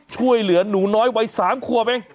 ช่วยเหลือนหนูน้อยไว้สามขวบเอง